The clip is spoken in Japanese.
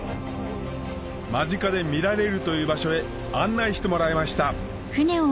間近で見られるという場所へ案内してもらいました